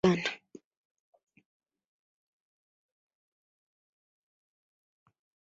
Sasa, ana wake wawili na watoto wawili, wote wasichana.